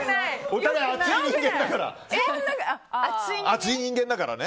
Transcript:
お互い、熱い人間だから。